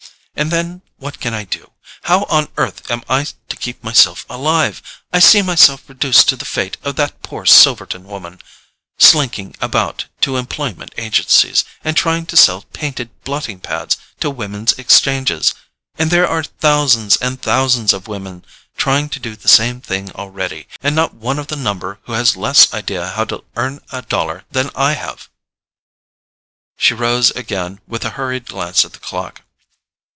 And then what can I do—how on earth am I to keep myself alive? I see myself reduced to the fate of that poor Silverton woman—slinking about to employment agencies, and trying to sell painted blotting pads to Women's Exchanges! And there are thousands and thousands of women trying to do the same thing already, and not one of the number who has less idea how to earn a dollar than I have!" She rose again with a hurried glance at the clock.